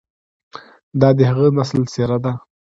دا د هغه نسل څېره ده،